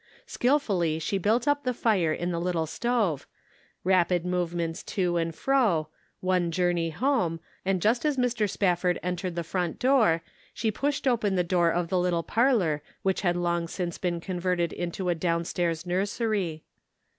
Skillfully she built up the fire in the little stove ; rapid movements to and fro; one journey home, and just as Mr. Spaf ford entered the front door, she pushed open the door of the little parlor which had long since been converted into a down stairs nursery.